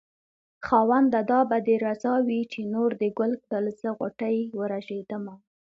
خاونده دا به دې رضا وي چې نور دې ګل کړل زه غوټۍ ورژېدمه